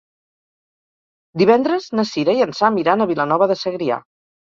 Divendres na Sira i en Sam iran a Vilanova de Segrià.